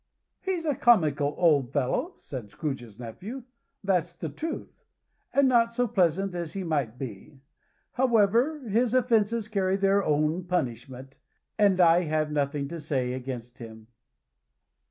"He's a comical old fellow," said Scrooge's nephew, "that's the truth: and not so pleasant as he might be. However, his offences carry their own punishment, and I have nothing to say against him."